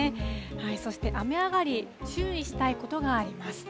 そして雨上がり、注意したいことがあります。